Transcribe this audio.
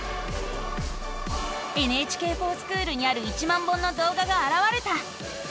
「ＮＨＫｆｏｒＳｃｈｏｏｌ」にある１万本のどうががあらわれた！